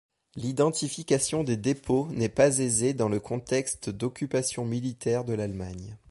L'identification des dépôts n'est pas aisée dans le contexte d'occupation militaire de l'Allemagne.